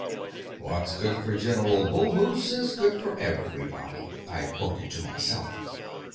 What's good for General Bull moose is good for everybody, I quoted to myself.